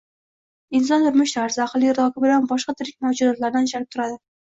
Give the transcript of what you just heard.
Inson turmush tarzi, aql-idroki bilan boshqa tirik mavjudotlardan ajralib turadi.